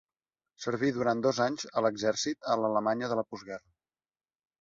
Serví durant dos anys a l'exèrcit a l'Alemanya de la postguerra.